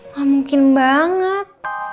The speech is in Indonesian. gak mungkin banget